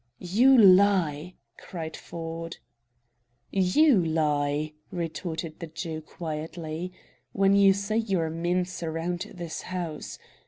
"You lie!" cried Ford. "YOU lie," retorted the Jew quietly, "when you say your men surround this house.